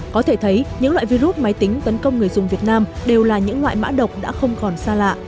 có thể thấy những loại virus máy tính tấn công người dùng việt nam đều là những loại mã độc đã không còn xa lạ